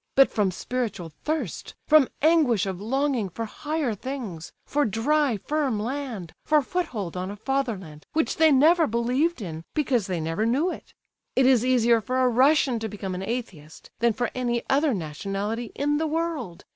But from spiritual thirst, from anguish of longing for higher things, for dry firm land, for foothold on a fatherland which they never believed in because they never knew it. It is easier for a Russian to become an Atheist, than for any other nationality in the world.